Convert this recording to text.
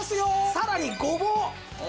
さらにごぼう。